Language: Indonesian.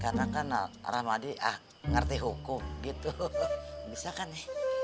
karena kan rahmadi ngerti hukum gitu bisa kan ya